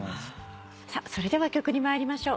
さあそれでは曲に参りましょう。